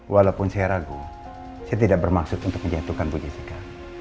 walaupun saya ragu saya tidak bermaksud untuk menjatuhkan bu jessica